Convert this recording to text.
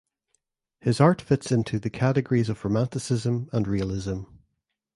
His art fits into the categories of romanticism and realism.